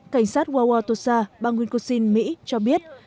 cảnh sát wauwatosa bang nguyên cô sinh mỹ cho biết